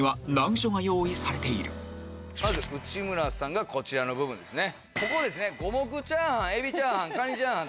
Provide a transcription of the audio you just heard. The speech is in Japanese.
まず内村さんがこちらですね。